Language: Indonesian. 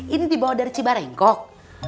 ini dibawa dari cibarengkok